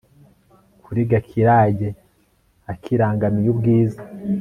kuri Gakirage akirangamiye ubwiza